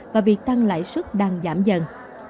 và việc tăng lãi sức đang giảm dần